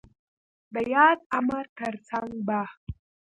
د ياد امر تر څنګ ب